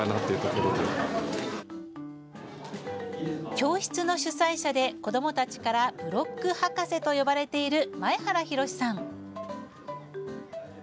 教室の主催者で子どもたちからブロック博士と呼ばれている前原浩さん。